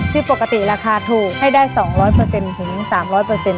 ที่ปกติราคาถูกให้ได้๒๐๐ถึง๓๐๐